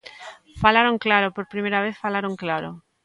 Falaron claro, por primeira vez falaron claro.